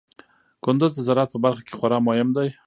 کندز د زراعت په برخه کې خورا مهم دی.